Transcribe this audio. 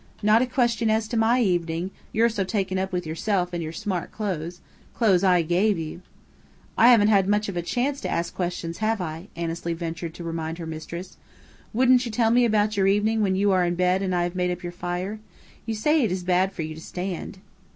Not a question as to my evening, you're so taken up with yourself and your smart clothes clothes I gave you." "I haven't had much chance to ask questions, have I?" Annesley ventured to remind her mistress. "Won't you tell me about your evening when you are in bed and I have made up your fire? You say it is bad for you to stand."